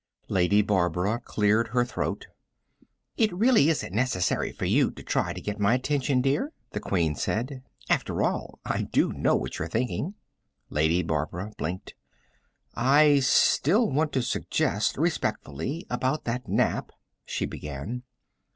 Lady Barbara cleared her throat. "It really isn't necessary for you to try to get my attention, dear," the Queen said. "After all, I do know what you're thinking." Lady Barbara blinked. "I still want to suggest, respectfully, about that nap " she began.